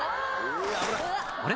「あれ？